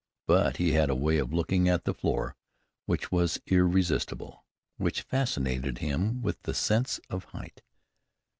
But he had a way of looking at the floor which was "irresistible," which "fascinated him with the sense of height."